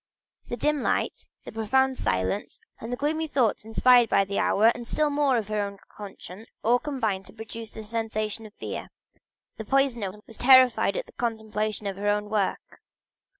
The dim light, the profound silence, and the gloomy thoughts inspired by the hour, and still more by her own conscience, all combined to produce a sensation of fear; the poisoner was terrified at the contemplation of her own work.